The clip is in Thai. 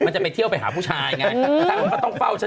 แต่เราจะส่งเนินมาเล่น